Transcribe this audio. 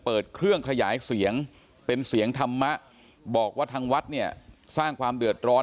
เปิดเครื่องขยายเสียงเป็นเสียงธรรมะบอกว่าทางวัดเนี่ยสร้างความเดือดร้อน